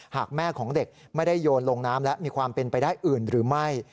หากแม่ของเด็กไม่ได้โยนลงน้ำและมีความเป็นไปได้อื่นหรือไม่